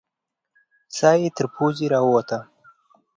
ساه یې تر پزې راووته.